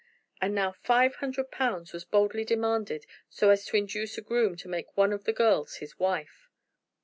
And now five hundred pounds was boldly demanded so as to induce a groom to make one of the girls his wife!